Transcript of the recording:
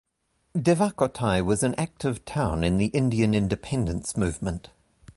Devakottai was an active town in the Indian Independence Movement.